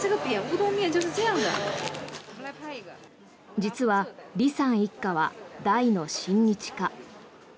実は、リさん一家は大の親日家。